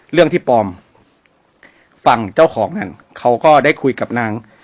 เรื่องที่ปลอมฟังเจ้าของกันเขาก็ได้คุยกับนาง